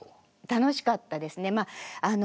楽しかったですね。